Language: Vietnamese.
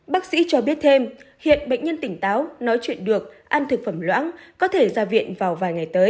bác sĩ cho biết thêm hiện bệnh nhân tỉnh táo nói chuyện được ăn thực phẩm loãng có thể ra viện vào vài ngày tới